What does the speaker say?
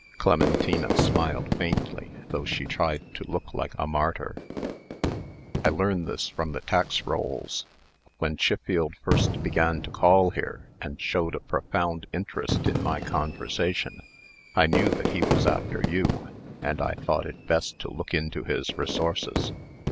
Clementina smiled faintly, though she tried to look like a martyr. "I learn this from the tax rolls. When Chiffield first began to call here, and showed a profound interest in my conversation, I knew that he was after you, and I thought it best to look into his resources.